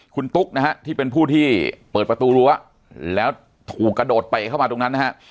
คุณตุ๊กนะฮะที่เป็นผู้ที่เปิดประตูรั้วแล้วถูกกระโดดเตะเข้ามาตรงนั้นนะฮะ